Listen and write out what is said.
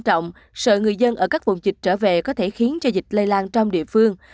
ở các vùng dịch trở về có thể khiến cho dịch lây lan trong địa phương